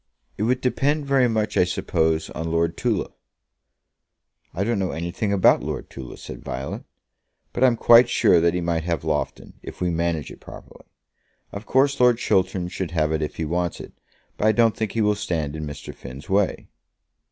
"It would depend very much, I suppose, on Lord Tulla." "I don't know anything about Lord Tulla," said Violet; "but I'm quite sure that he might have Loughton, if we manage it properly. Of course Lord Chiltern should have it if he wants it, but I don't think he will stand in Mr. Finn's way."